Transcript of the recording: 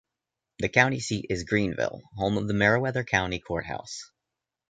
The county seat is Greenville, home of the Meriwether County Courthouse.